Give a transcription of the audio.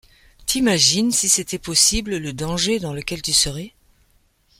T’imagines, si c’était possible, le danger dans lequel tu serais ?